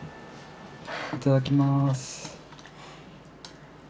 いただきます。